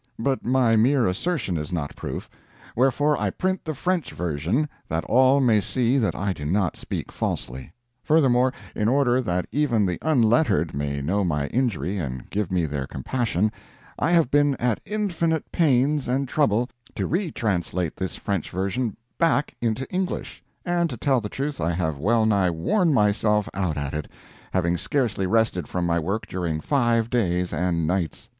But my mere assertion is not proof; wherefore I print the French version, that all may see that I do not speak falsely; furthermore, in order that even the unlettered may know my injury and give me their compassion, I have been at infinite pains and trouble to retranslate this French version back into English; and to tell the truth I have well nigh worn myself out at it, having scarcely rested from my work during five days and nights.